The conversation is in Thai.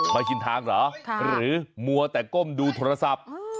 ชินทางเหรอหรือมัวแต่ก้มดูโทรศัพท์